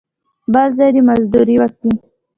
بل ځای دې مزدوري وکي.